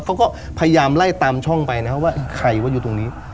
เขาก็พยายามไล่ตามช่องไปนะว่าใครว่าอยู่ตรงนี้